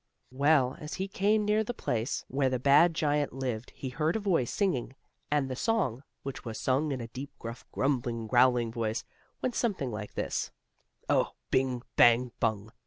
Well, as he came near the place where the bad giant lived he heard a voice singing. And the song, which was sung in a deep, gruff, grumbling, growling voice, went something like this: "Oh, bing bang, bung!